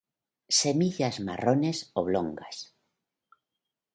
Semillas marrones, oblongas.